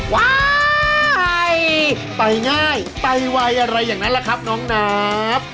ว้ายไปง่ายไปไวอะไรอย่างนั้นล่ะครับน้องนาฟ